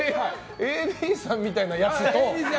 ＡＤさんみたいなやつと。